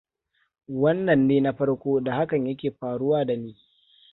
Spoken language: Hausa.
Wannan ne na farko da hakan yake faruwa da ni.